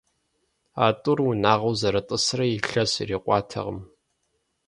А тӀур унагъуэу зэрытӀысрэ илъэс ирикъуатэкъым.